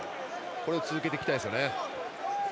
これを続けていきたいですよね。